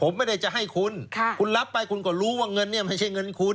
ผมไม่ได้จะให้คุณคุณรับไปคุณก็รู้ว่าเงินเนี่ยไม่ใช่เงินคุณ